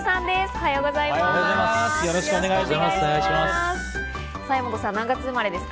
おはようございます。